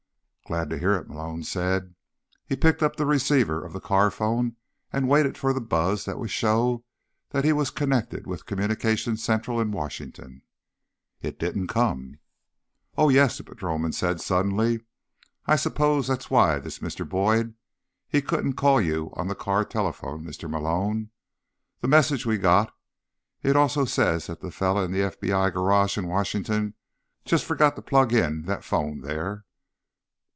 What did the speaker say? "Glad to hear it," Malone said. He picked up the receiver of the car phone and waited for the buzz that would show that he was connected with Communications Central in Washington. It didn't come. "Oh, yes," the patrolman said suddenly. "I suppose that's why this Mr. Boyd, he couldn't call you on the car telephone, Mr. Malone. The message we got, it also says that the fella at the FBI garage in Washington just forgot to plug in that phone there."